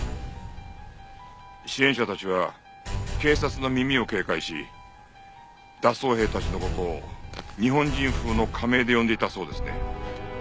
支援者たちは警察の耳を警戒し脱走兵たちの事を日本人風の仮名で呼んでいたそうですね。